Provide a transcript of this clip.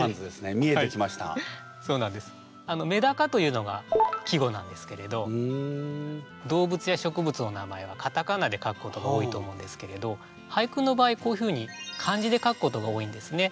「目高」というのが季語なんですけれど動物や植物の名前はカタカナで書くことが多いと思うんですけれど俳句の場合こういうふうに漢字で書くことが多いんですね。